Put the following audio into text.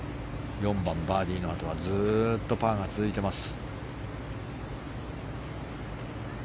４番、バーディーのあとはずっとパーが続いています。